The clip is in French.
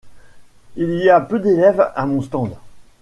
Il y a peu d'élèves à mon stand.